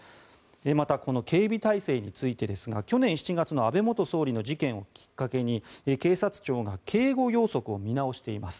またこの警備体制についてですが去年７月の安倍元総理の事件をきっかけに警察庁が警護要則を見直しています。